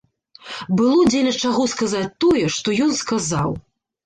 Было дзеля чаго сказаць тое, што ён сказаў.